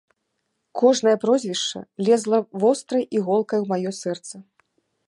Кожнае прозвішча лезла вострай іголкай у маё сэрца.